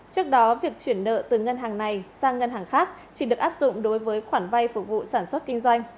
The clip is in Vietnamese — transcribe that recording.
trước đó việc chuyển nợ từ ngân hàng này sang ngân hàng khác chỉ được áp dụng đối với khoản vay phục vụ sản xuất kinh doanh